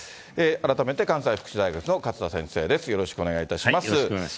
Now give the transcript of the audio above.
改めて関西福祉大学の勝田先生です。